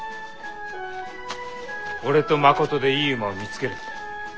俺と誠でいい馬を見つける。